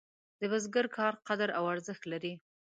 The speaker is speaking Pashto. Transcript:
د بزګر کار قدر او ارزښت لري.